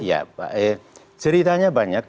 ya pak ceritanya banyak